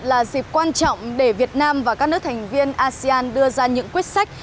là dịp quan trọng để việt nam và các nước thành viên asean đưa ra những quyết sách